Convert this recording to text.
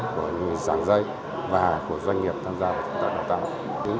của dạng dây và của doanh nghiệp tham gia vào thực tập đào tạo